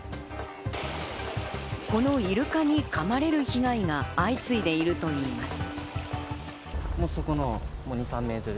このイルカにかまれる被害が相次いでいるといいます。